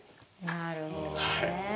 なるほどね。